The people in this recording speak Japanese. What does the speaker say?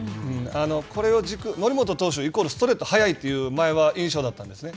これを軸、則本投手イコールストレートが速いという印象だったんですね。